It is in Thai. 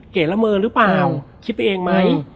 เก๋ละเมอหรือเปล่าคิดไปเองมั้ย